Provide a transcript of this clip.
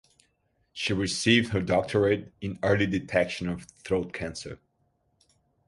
She received her doctorate in early detection of throat cancer.